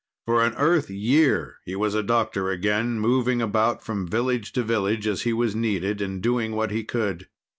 For an Earth year, he was a doctor again, moving about from village to village as he was needed and doing what he could.